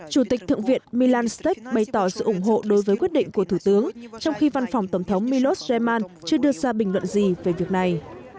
chủ tịch thượng viện milan stech bày tỏ sự ủng hộ đối với quyết định của thủ tướng trong khi văn phòng tổng thống millos jaeman chưa đưa ra bình luận gì về việc này